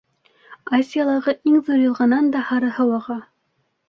Азиялағы иң ҙур йылғанан да һары һыу аға.